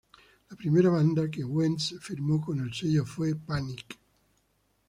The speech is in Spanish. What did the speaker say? La primera banda que Wentz firmó con el sello fue Panic!